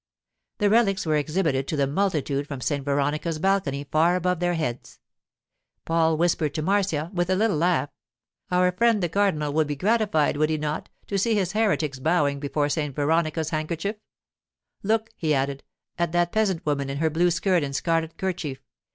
The relics were exhibited to the multitude from St. Veronica's balcony far above their heads. Paul whispered to Marcia with a little laugh: 'Our friend the cardinal would be gratified, would he not, to see his heretics bowing before St. Veronica's handkerchief? Look,' he added, 'at that peasant woman in her blue skirt and scarlet kerchief.